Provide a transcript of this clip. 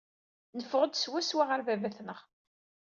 Neffeɣ-d swaswa ɣer baba-tneɣ.